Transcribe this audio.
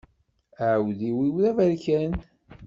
Aɛudiw-iw d aberkan.